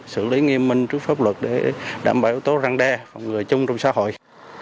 xử lý nghiêm minh trước pháp luật để đảm bảo yếu tố răng đe phòng người chung trong xã hội